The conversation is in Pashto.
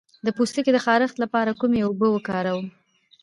د پوستکي د خارښ لپاره کومې اوبه وکاروم؟